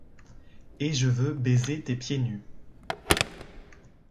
Et je veux baiser tes pieds nus.